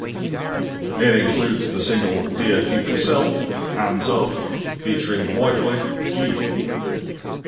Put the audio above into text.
It includes the single "Dear Future Self (Hands Up)" featuring Wyclef Jean.